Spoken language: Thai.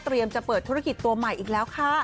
จะเปิดธุรกิจตัวใหม่อีกแล้วค่ะ